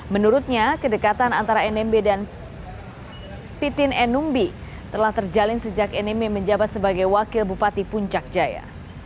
menurutnya kedekatan antara nmb dan pitin enumbi telah terjalin sejak nmb menjabat sebagai wakil bupati puncak jaya